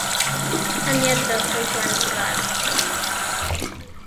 ښه نیت د ښه ژوند راز دی .